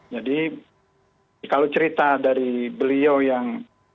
jadi kalau cerita dari beliau yang